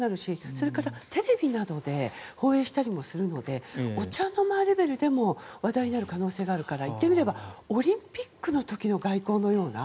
それからテレビなどで放映したりもするのでお茶の間レベルでも話題になる可能性があるから言ってみればオリンピックの時の外交のような。